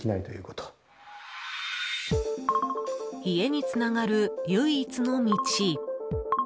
家につながる唯一の道。